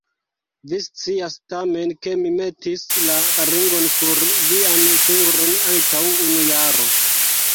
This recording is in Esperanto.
Vi scias tamen, ke mi metis la ringon sur vian fingron antaŭ unu jaro.